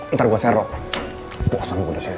ntar gue serok puasan gue udah serok